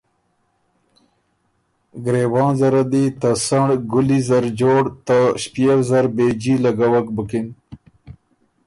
ګرېوان زره دی ته سنړ ګُلی زر جوړ ته ݭپيېو زر بېجي لګوک بُکِن۔